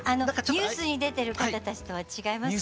ニュースに出てる方たちとは違いますよね。